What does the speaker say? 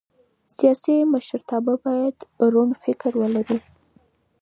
سیاسي مشرتابه باید روڼ فکر ولري